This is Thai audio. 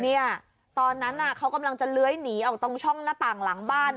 ตอนนั้นเขากำลังจะเลื้อยหนีออกตรงช่องหน้าต่างหลังบ้าน